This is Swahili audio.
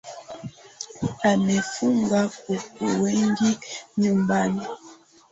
Amefuga kuku wengi nyumbani.